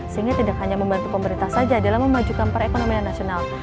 sehingga tidak hanya membantu pemerintah saja dalam memajukan perekonomian nasional